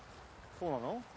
そうなの？